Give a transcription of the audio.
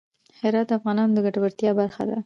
هرات د افغانانو د ګټورتیا برخه ده.